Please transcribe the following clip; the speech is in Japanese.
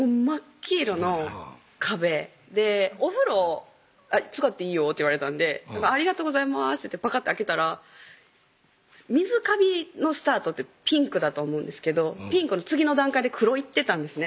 黄色の壁で「お風呂使っていいよ」って言われたんで「ありがとうございます」ってパカッて開けたら水カビのスタートってピンクだと思うんですけどピンクの次の段階で黒いってたんですね